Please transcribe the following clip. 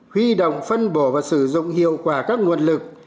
huy động phân bổ và sử dụng hiệu quả các nguồn lực